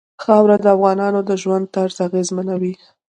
خاوره د افغانانو د ژوند طرز اغېزمنوي.